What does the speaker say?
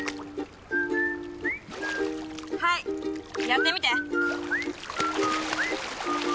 はいやってみて。